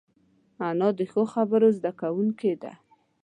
انا د ښو خبرو زده کوونکې ده